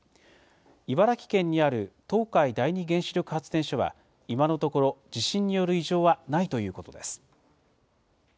茨城県にある東海第二原子力発電所は、今のところ、地震による異常はないということです。